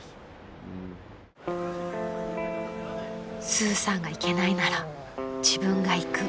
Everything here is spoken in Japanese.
［スーさんが行けないなら自分が行く］